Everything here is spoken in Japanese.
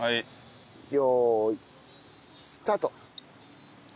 よーいスタート。